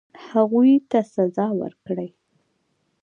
هغوی ته سزا ورکړي.